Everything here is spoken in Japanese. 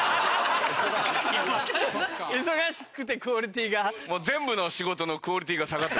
忙しくてクオリティーが？